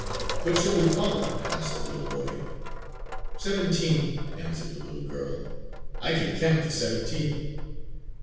"What shall we call him?" asked the little boy. "Seventeen," answered the little girl. "I can count to seventeen!"